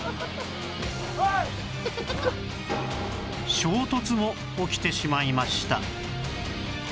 衝突も起きてしまいました